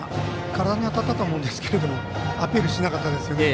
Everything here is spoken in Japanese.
体に当たったと思うんですけどアピールしなかったですね。